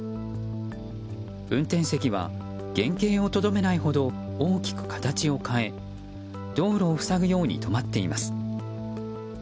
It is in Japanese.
運転席は原形をとどめないほど大きく形を変え道路を塞ぐように止まっています。